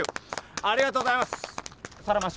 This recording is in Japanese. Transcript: ありがとうございます。